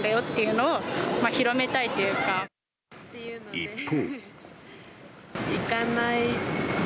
一方。